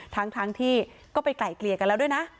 ทั้งที่ก็ไปไกลเกลี่ยกันแล้วด้วยนะ